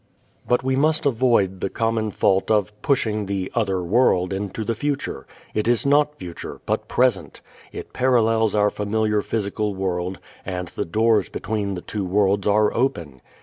But we must avoid the common fault of pushing the "other world" into the future. It is not future, but present. It parallels our familiar physical world, and the doors between the two worlds are open.